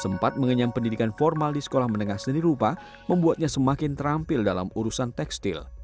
sempat mengenyam pendidikan formal di sekolah menengah seni rupa membuatnya semakin terampil dalam urusan tekstil